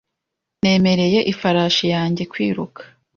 Nemereye ifarashi yanjye kwiruka .